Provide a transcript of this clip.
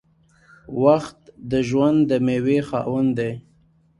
• وخت د ژوند د میوې خاوند دی.